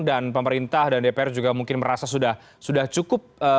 dan pemerintah dan dpr juga mungkin merasa sudah cukup